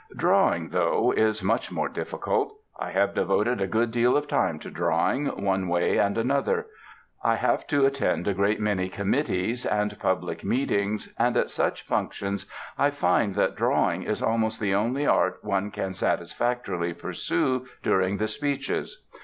Drawing, though, is much more difficult. I have devoted a good deal of time to Drawing, one way and another; I have to attend a great many committees and public meetings, and at such functions I find that Drawing is almost the only Art one can satisfactorily pursue during the speeches.